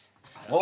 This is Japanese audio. あ。